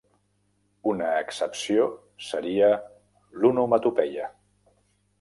Una excepció seria l'onomatopeia.